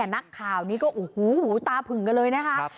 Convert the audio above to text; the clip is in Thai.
นักข่าวนี้ก็โอ้โหตาผึ่งกันเลยนะคะ